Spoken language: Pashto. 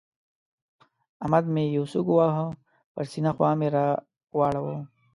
احمد مې يوه سوک وواهه؛ پر سپينه خوا مې را واړاوو.